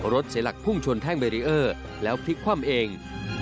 รถใส่หลักพุ่งชนแท่งเบรียร์แล้วคลิกคว่ำเอง